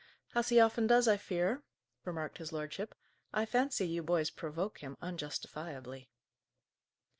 "As he often does, I fear," remarked his lordship. "I fancy you boys provoke him unjustifiably."